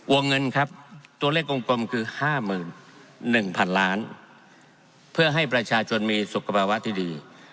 เงินครับตัวเลขกลมคือ๕๑๐๐๐ล้านเพื่อให้ประชาชนมีสุขภาวะที่ดี